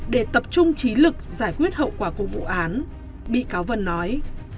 để tập trung trí lực giải quyết hậu quả của vụ án bị cáo vân nói